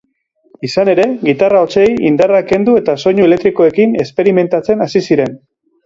Izan ere, gitarra hotsei indarra kendu eta soinu elektronikoekin esperimentatzen hasi ziren.